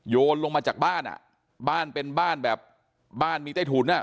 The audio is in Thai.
โยนลงมาจากบ้านอ่ะบ้านเป็นบ้านแบบบ้านมีใต้ถุนอ่ะ